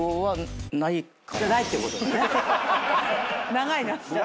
長いな。